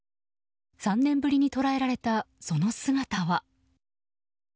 ３年ぶりに捉えられたその姿は。